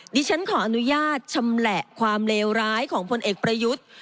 ดิฉันขออนุญาตชำแหละความเลวร้ายของพลเอกประยุทธ์